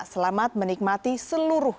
selamat menikmati seluruh